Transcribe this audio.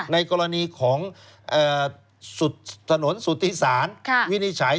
ในกรณีของถนนสุธิศาลวินิจฉัย